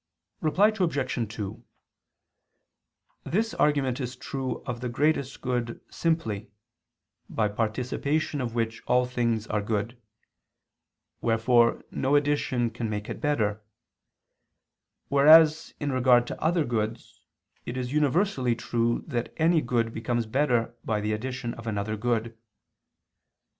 Reply Obj. 2: This argument is true of the greatest good simply, by participation of which all things are good; wherefore no addition can make it better: whereas in regard to other goods, it is universally true that any good becomes better by the addition of another good.